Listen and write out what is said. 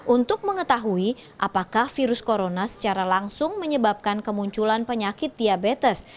untuk mengetahui apakah virus corona secara langsung menyebabkan kemunculan penyakit diabetes